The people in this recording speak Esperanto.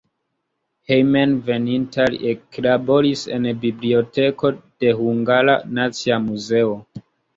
Hejmenveninta li eklaboris en biblioteko de Hungara Nacia Muzeo.